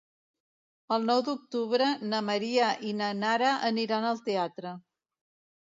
El nou d'octubre na Maria i na Nara aniran al teatre.